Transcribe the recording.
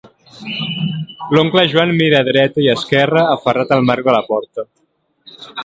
L'oncle Joan mira a dreta i esquerra, aferrat al marc de la porta.